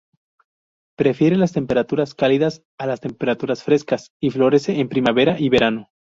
Prefiere las temperaturas cálidas a las temperaturas frescas y florece en primavera y verano.